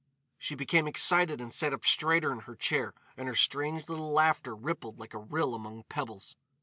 She became excited and sat up straighter in her chair, and her strange little laughter rippled like a rill among pebbles.